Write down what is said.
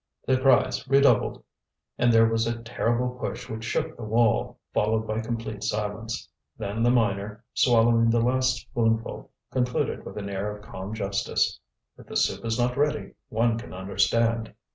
The cries redoubled, and there was a terrible push which shook the wall, followed by complete silence. Then the miner, swallowing the last spoonful, concluded, with an air of calm justice: "If the soup is not ready, one can understand."